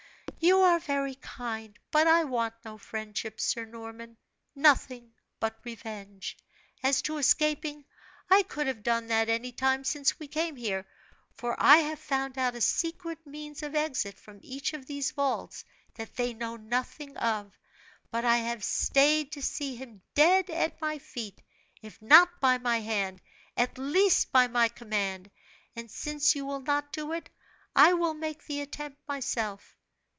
"You are very kind; but I want no friendship, Sir Norman nothing but revenge! As to escaping, I could have done that any time since we came here, for I have found out a secret means of exit from each of these vaults, that they know nothing of. But I have staid to see him dead at my feet if not by my hand, at least by my command; and since you will not do it, I will make the attempt myself.